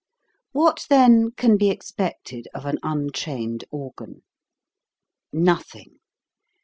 What, then, can be expected of an un trained organ ? Nothing